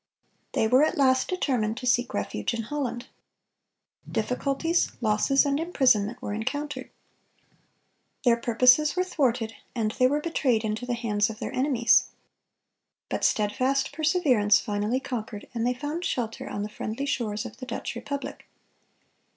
(432) They were at last determined to seek refuge in Holland. Difficulties, losses, and imprisonment were encountered. Their purposes were thwarted, and they were betrayed into the hands of their enemies. But steadfast perseverance finally conquered, and they found shelter on the friendly shores of the Dutch Republic.